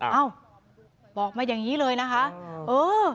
เอ้าบอกมาอย่างนี้เลยนะคะเออ